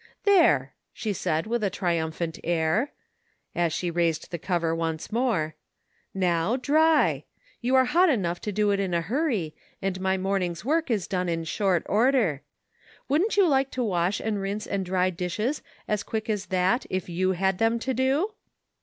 " There !" she said, with a triumphant air, as she raised the cover once more, "now dry; MACHINES AND NEWS. 263 you are hot enough to do it in a hurry, and my morning's work is done in short order. Wouldn't you like to wash and rinse and dry dishes as quick as that if you had them to do